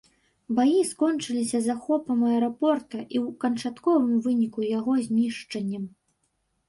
Баі скончыліся захопам аэрапорта і ў канчатковым выніку яго знішчэннем.